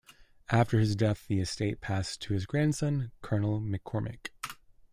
After his death, the estate passed to his grandson, Colonel McCormick.